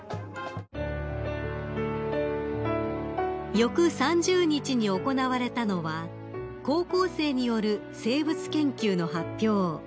［翌３０日に行われたのは高校生による生物研究の発表］